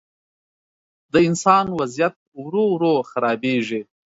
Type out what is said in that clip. د انسان وضعیت ورو، ورو خرابېږي.